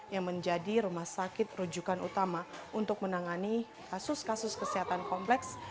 yang menjadi rumah sakit rujukan utama untuk menangani kasus kasus kesehatan kompleks